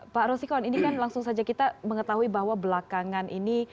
pak rosikon ini kan langsung saja kita mengetahui bahwa belakangan ini